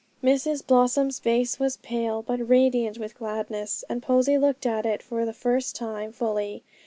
Mrs Blossom's face was pale, but radiant with gladness, and Posy looked at it for the first time fully.